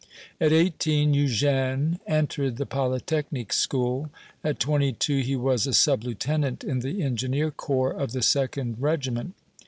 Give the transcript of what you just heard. At eighteen Eugène entered the Polytechnic School. At twenty two he was a sub lieutenant in the engineer corps of the second regiment.